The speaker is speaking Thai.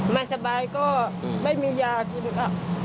ไม่สบายก็ไม่มียากินค่ะ